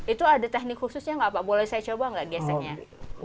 itu ada teknik khususnya nggak pak boleh saya coba nggak geseknya